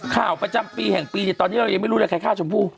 ข่าวประจำปีแห่งปีเนี่ยตอนนี้เรายังไม่รู้เลยใครฆ่าชมพู่